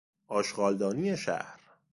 آشغالدانی شهر